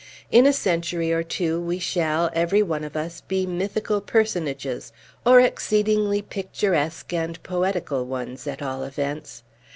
In a century or two, we shall, every one of us, be mythical personages, or exceedingly picturesque and poetical ones, at all events.